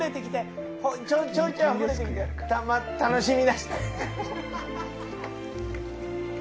楽しみだして。